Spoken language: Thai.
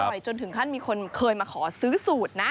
จนถึงขั้นมีคนเคยมาขอซื้อสูตรนะ